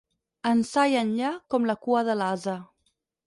Ençà i enllà, com la cua de l'ase.